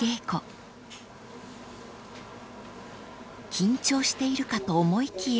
［緊張しているかと思いきや］